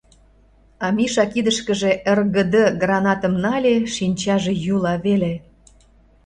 А Миша кидышкыже «РГД» гранатым нале, шинчаже йӱла веле.